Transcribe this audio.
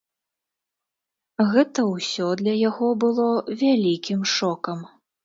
Гэта ўсё для яго было вялікім шокам.